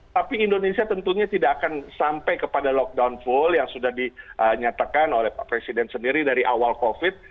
tapi indonesia tentunya tidak akan sampai kepada lockdown full yang sudah dinyatakan oleh pak presiden sendiri dari awal covid